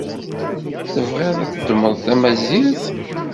Tebɣiḍ ad teddmeḍ tamazirt?